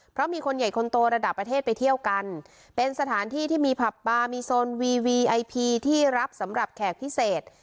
เพราะมีคนใหญ่คนโตระดับประเทศไปเที่ยวกันเป็นสถานที่ที่มีผับปลามีโซนวีวีไอพีที่รับสำหรับแขกพิเศษ